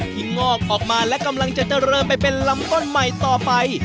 งอกออกมาและกำลังจะเจริญไปเป็นลำต้นใหม่ต่อไป